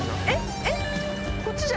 えっ⁉